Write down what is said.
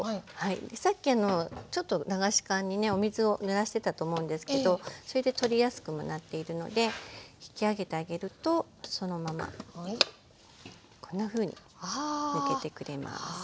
さっきちょっと流し函にねお水をぬらしてたと思うんですけどそれで取りやすくもなっているので引き上げてあげるとそのままこんなふうに抜けてくれます。